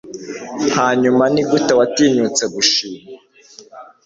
Hanyuma nigute watinyutse gushima